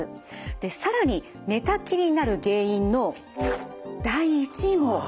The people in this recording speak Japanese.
で更に寝たきりになる原因の第１位も脳卒中なんです。